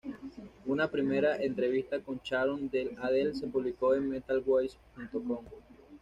Una primera entrevista con Sharon Den Adel se publicó en "Metal-Ways.com".